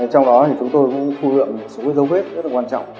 trong đó thì chúng tôi cũng thu lượng một số dấu vết rất là quan trọng